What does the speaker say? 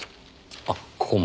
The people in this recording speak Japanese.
あっここも。